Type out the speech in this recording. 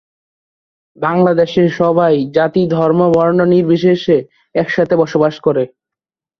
তাদের হাসি-কান্না, আনন্দ-বেদনা তুলে ধরা হয়েছে।